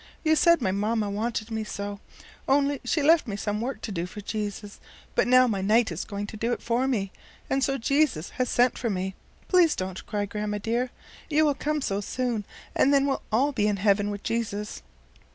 You said my mamma wanted me so, only she left me to do some work for Jesus; but now my knight is going to do it for me, and so Jesus has sent for me. Please don't cry, Grandma, dear. You will come so soon, and then we'll all be in heaven with Jesus."